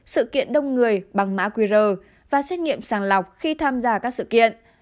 sự kiện đông người bằng mã qr và xét nghiệm sàng lọc khi tham gia các sự kiện